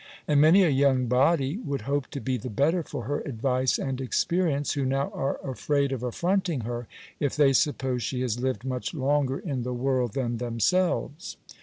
And many a young body would hope to be the better for her advice and experience, who now are afraid of affronting her, if they suppose she has lived much longer in the world than themselves.